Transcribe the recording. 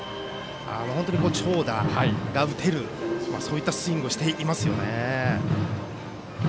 本当に長打が打てるそういったスイングをしていますよね。